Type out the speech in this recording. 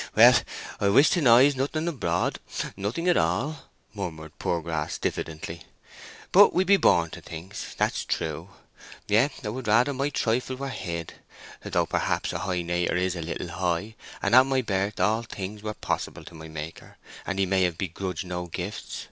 "Heh heh! well, I wish to noise nothing abroad—nothing at all," murmured Poorgrass, diffidently. "But we be born to things—that's true. Yet I would rather my trifle were hid; though, perhaps, a high nater is a little high, and at my birth all things were possible to my Maker, and he may have begrudged no gifts....